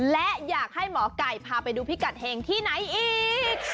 และอยากให้หมอไก่พาไปดูพิกัดเห็งที่ไหนอีก